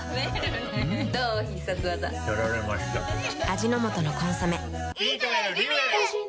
味の素の「コンソメ」